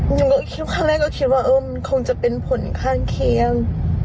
หนูก็คิดครั้งแรกก็คิดว่าเออมันคงจะเป็นผลข้างเคียง